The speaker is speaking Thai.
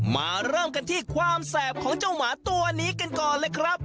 มาเริ่มกันที่ความแสบของเจ้าหมาตัวนี้กันก่อนเลยครับ